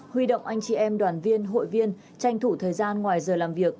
huy động anh chị em đoàn viên hội viên tranh thủ thời gian ngoài giờ làm việc